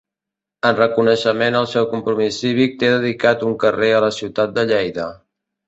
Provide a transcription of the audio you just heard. En reconeixement al seu compromís cívic té dedicat un carrer a la ciutat de Lleida.